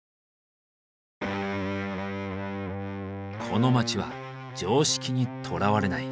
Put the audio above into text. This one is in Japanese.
この街は常識にとらわれない。